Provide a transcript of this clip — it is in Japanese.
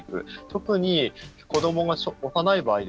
特に子どもが幼い場合。